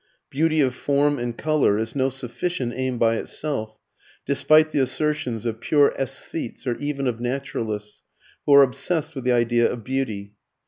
Beauty of Form and Colour is no sufficient aim by itself, despite the assertions of pure aesthetes or even of naturalists, who are obsessed with the idea of "beauty."